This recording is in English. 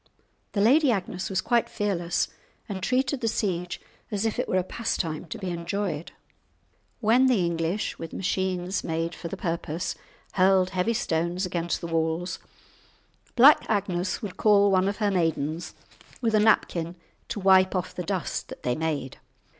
The Lady Agnes was quite fearless, and treated the siege as if it were a pastime to be enjoyed. When the English, with machines made for the purpose, hurled heavy stones against the walls, Black Agnes would call one of her maidens with a napkin to wipe off the dust that they made!